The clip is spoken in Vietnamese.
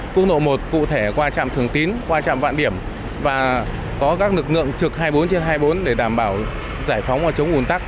quốc lộ một cụ thể qua trạm thường tín qua trạm vạn điểm và có các lực lượng trực hai mươi bốn trên hai mươi bốn để đảm bảo giải phóng và chống ủn tắc